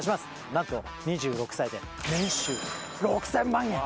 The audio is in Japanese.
なんと、２６歳で年収６０００万円。